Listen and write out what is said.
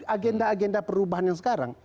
agenda agenda perubahan yang sekarang